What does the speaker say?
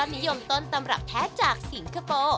นิยมต้นตำรับแท้จากสิงคโปร์